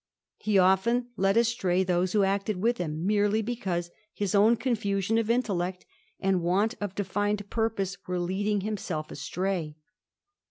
He often led astray those who acted with him merely because his own confusion of intellect and want of defined purpose were leading himself astray.